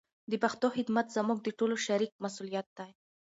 د پښتو خدمت زموږ د ټولو شریک مسولیت دی.